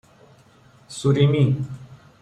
سوریمی